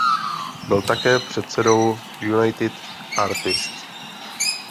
Byl také předsedou United Artists.